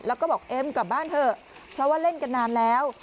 แล้วก็บอกเอ็มกลับบ้านเถอะเพราะว่าเล่นกันนานแล้ว